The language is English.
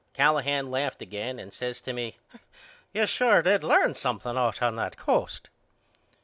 Callahan laughed again and says to me You sure did learn something out on that Coast.